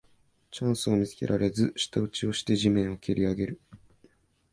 チャンスを見つけられず舌打ちをして地面をけりあげる